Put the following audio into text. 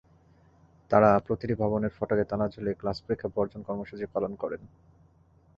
তাঁরা প্রতিটি ভবনের ফটকে তালা ঝুলিয়ে ক্লাস-পরীক্ষা বর্জন কর্মসূচি পালন করেন।